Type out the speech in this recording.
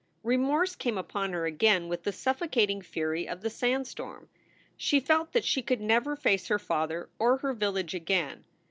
Remorse came upon her again with the suffocating fury of the sandstorm. She felt that she could never face her father or her village again.